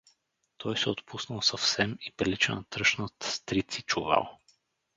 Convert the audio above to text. Той се отпуснал съвсем и прилича на тръшнат с трици чувал.